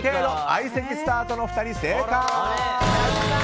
相席スタートの２人、正解！